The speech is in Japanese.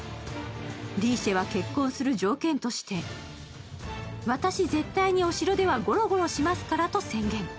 リーシェは結婚する条件として、私、絶対にお城ではゴロゴロしますからと宣言。